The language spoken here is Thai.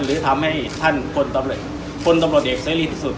หรือทำให้ท่านคนตำรวจเอกซะดีที่สุด